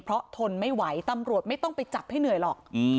เพราะทนไม่ไหวตำรวจไม่ต้องไปจับให้เหนื่อยหรอก